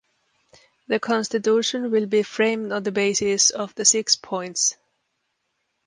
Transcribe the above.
The constitution will be framed on the basis of the six-points'.